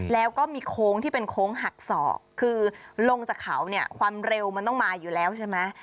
แล้วก็มีโค้งที่เป็นโค้งหักศอกคือลงจากเขาเนี่ยความเร็วมันต้องมาอยู่แล้วใช่ไหม